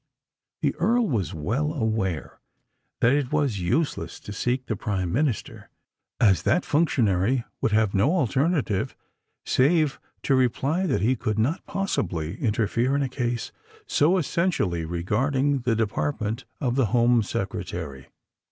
The Earl was well aware that it was useless to seek the Prime Minister; as that functionary would have no alternative save to reply that he could not possibly interfere in a case so essentially regarding the department of the Home Secretary.